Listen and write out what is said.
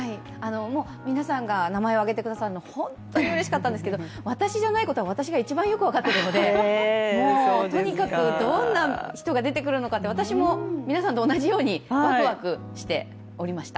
皆さんが名前を挙げてくださるのは本当にうれしかったんですけれども私じゃないことは、私が一番よく分かっているのでもうとにかくどんな人が出てくるのかって、私も皆さんと同じようにワクワクしておりました。